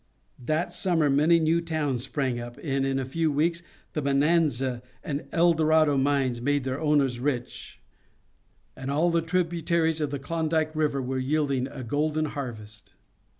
That summer many new towns sprang up, and in a few weeks the Bonanza and Eldorado mines made their owners rich, and all the tributaries of the Klondike River were yielding a golden harvest.